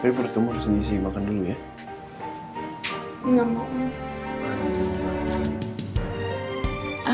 tapi berarti mau harus ngisi makan dulu ya enggak papa